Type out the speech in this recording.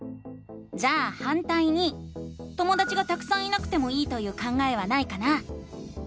じゃあ「反対に」ともだちがたくさんいなくてもいいという考えはないかな？